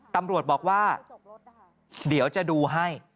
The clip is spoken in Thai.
ตำรวจบอกว่าเดี๋ยวจะดูให้